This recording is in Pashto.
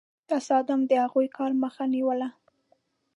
تصادم د هغوی کار مخه نیوله.